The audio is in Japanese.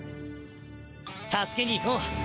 助けにいこう！